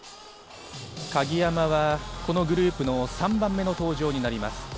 鍵山はこのグループの３番目の登場になります。